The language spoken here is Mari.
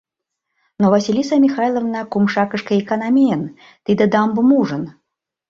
Но Василиса Михайловна Кумшакышке икана миен, тиде дамбым ужын.